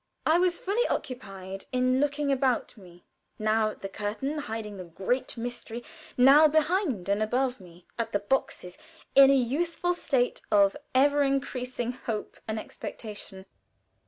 I was fully occupied in looking about me now at the curtain hiding the great mystery, now behind and above me at the boxes, in a youthful state of ever increasing hope and expectation.